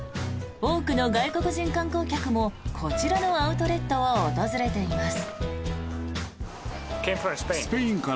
多くの外国人観光客もこちらのアウトレットを訪れています。